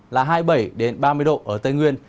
là hai mươi bảy ba mươi độ ở tây nguyên